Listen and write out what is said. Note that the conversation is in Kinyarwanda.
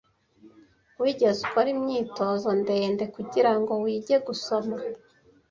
Wigeze ukora imyitozo ndende kugirango wige gusoma?